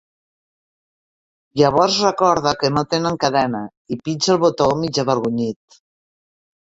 Llavors recorda que no tenen cadena i pitja el botó mig avergonyit.